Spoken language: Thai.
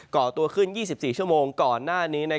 ่อตัวขึ้น๒๔ชั่วโมงก่อนหน้านี้